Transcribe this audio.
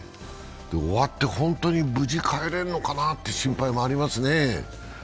終わって本当に無事に帰れるのかなという心配もありますね。